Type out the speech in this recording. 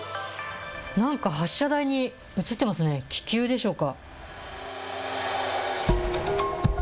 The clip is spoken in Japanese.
なんか発射台に写ってますね、気球でしょうか。